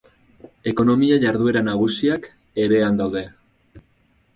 Ekonomia-jarduera nagusiak ere han daude.